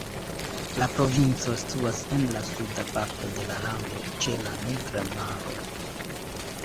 La provinco situas en la suda parto de la lando, ĉe la Nigra Maro.